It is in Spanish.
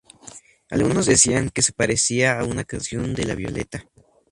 Algunos decían que se parecía a una canción de la Violeta.